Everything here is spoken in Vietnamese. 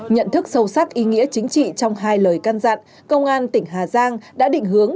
nhận thức sâu sắc ý nghĩa chính trị trong hai lời can dặn công an tỉnh hà giang đã định hướng